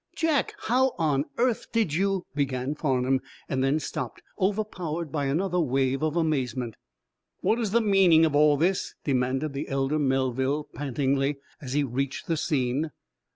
"Jack, how on earth did you " began Farnum, then stopped, overpowered by another wave of amazement. "What's the meaning of all this?" demanded the elder Melville, pantingly, as he reached the scene.